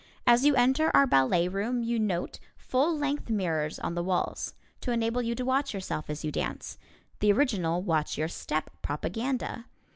As you enter our ballet room you note full length mirrors on the walls, to enable you to watch yourself as you dance the original "watch your step" propaganda.